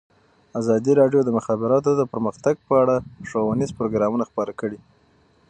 ازادي راډیو د د مخابراتو پرمختګ په اړه ښوونیز پروګرامونه خپاره کړي.